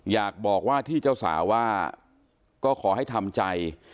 อยากบอกว่าที่เจ้าสาวว่าก็ขอให้ทำใจ